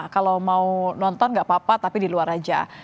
kalau mau nonton nggak apa apa tapi di luar aja